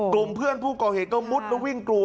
กลุ่มเพื่อนผู้ก่อเหตุก็มุดแล้ววิ่งกลัว